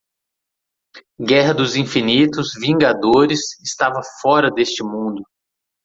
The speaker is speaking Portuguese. Guerra dos Infinitos Vingadores estava fora deste mundo.